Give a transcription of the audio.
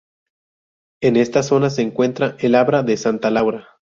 En esta zona se encuentra el Abra de Santa Laura.